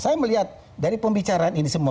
saya melihat dari pembicaraan ini semua